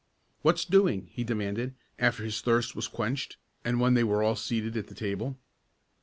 "What's doing?" he demanded, after his thirst was quenched, and when they were all seated at the table.